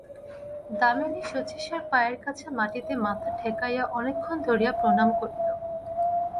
দামিনী শচীশের পায়ের কাছে মাটিতে মাথা ঠেকাইয়া অনেকক্ষণ ধরিয়া প্রণাম করিল।